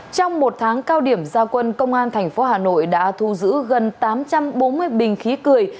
trong một tháng cao điểm gia quân công an tp hà nội đã thu giữ gần tám trăm bốn mươi bình khí cười